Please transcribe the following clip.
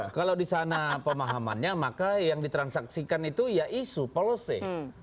jadi kalau di sana pemahamannya maka yang ditransaksikan itu ya isu polose